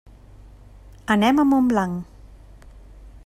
Anem a Montblanc.